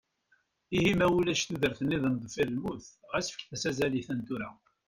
Ihi ma ulac tudert-iḍen deffir lmut, ɣas fket-as azal i ta n tura.